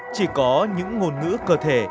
chỉ có những ngôn ngữ cơ thể